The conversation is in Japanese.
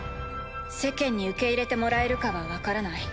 世間に受け入れてもらえるかは分からない。